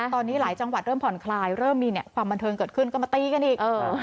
ตอนนี้หลายจังหวัดเริ่มผ่อนคลายเริ่มมีความบันเทิงเกิดขึ้นก็มาตีกันอีก